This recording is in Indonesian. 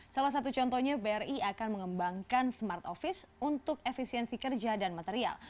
salah satu contohnya bri akan mengembangkan smart office untuk efisiensi kerja dan material